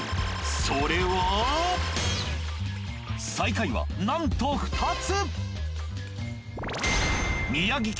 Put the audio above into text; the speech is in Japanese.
それは最下位はなんと２つ！